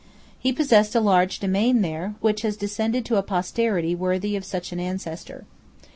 He possessed a large domain there, which has descended to a posterity worthy of such an ancestor.